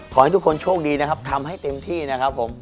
ขอให้ทุกคนโชคดีนะครับทำให้เต็มที่นะครับผม